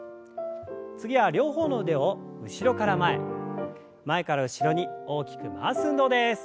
次は両方の腕を後ろから前前から後ろに大きく回す運動です。